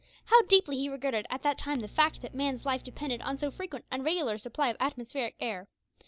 How deeply he regretted at that time the fact that man's life depended on so frequent and regular a supply of atmospheric air!